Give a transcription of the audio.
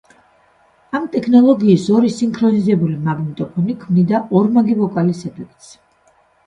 ამ ტექნოლოგიის ორი სინქრონიზებული მაგნიტოფონი ქმნიდა ორმაგი ვოკალის ეფექტს.